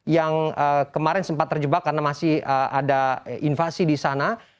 yang kemarin sempat terjebak karena masih ada invasi di sana